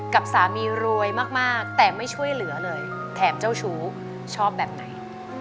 กับสามีรวยมากแต่ไม่ช่วยเหลือเลยแถมเจ้าชู้ชอบแบบไหน